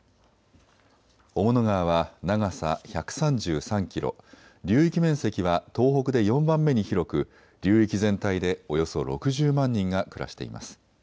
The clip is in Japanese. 雄物川は長さ１３３キロ、流域面積は東北で４番目に広く流域全体でおよそ６０万人が暮らしています。